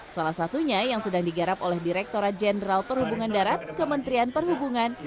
salah satunya yang sedang digarap oleh direkturat jenderal perhubungan darat kementerian perhubungan